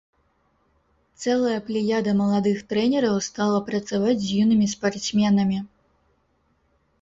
Цэлая плеяда маладых трэнераў стала працаваць з юнымі спартсменамі.